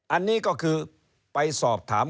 อันนี้ก็คือไปสอบถาม